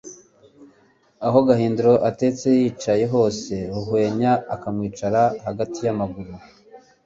Aho Gahindiro atetse yicaye hose Ruhwenya akamwicara hagati y'amaguru.